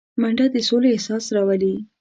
منډه د سولې احساس راولي